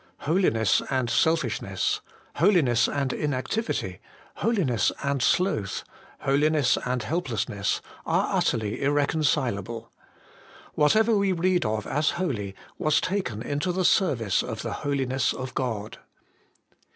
Holiness and selfishness, holiness and inactivity, holiness and sloth, holiness and helplessness, are utterly irrecon 236 HOLY IN CHRIST. cilable. Whatever we read of as holy, was taken into the service of the Holiness of God.